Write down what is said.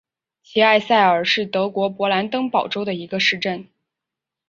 齐埃萨尔是德国勃兰登堡州的一个市镇。